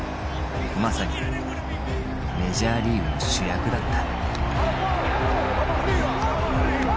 まさにメジャーリーグの主役だった。